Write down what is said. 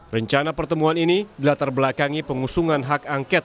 rencana pertemuan ini dilatar belakangi pengusungan hak angket